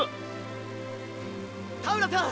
田浦さん